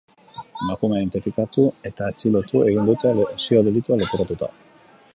Emakumea identifikatu eta atxilotu egin dute, lesio-delitua leporatuta.